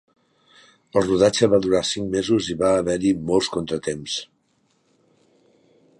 El rodatge va durar cinc mesos i va haver-hi molts contratemps.